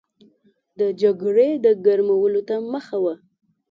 د جګړې د ګرمولو ته مخه وه.